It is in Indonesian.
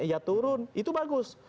ia turun itu bagus